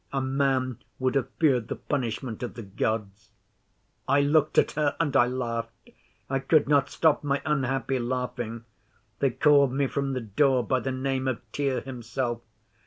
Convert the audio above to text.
A man would have feared the punishment of the Gods." I looked at her and I laughed. I could not stop my unhappy laughing. They called me from the door by the name of Tyr himself.